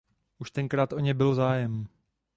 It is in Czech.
Už tenkrát o ně byl zájem.